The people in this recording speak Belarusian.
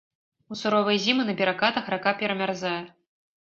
У суровыя зімы на перакатах рака перамярзае.